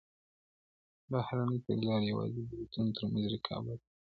بهرنۍ تګلاره یوازې د دولتونو ترمنځ رقابت نه دی.